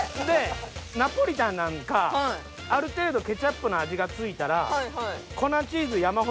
でナポリタンなんかある程度ケチャップの味が付いたらはははははっ。